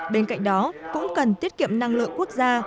bên cạnh đó cũng cần tiết kiệm năng lượng quốc gia